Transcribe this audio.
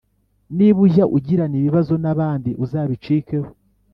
niba ujya ugirana ibibazo n abandi uzabicikeho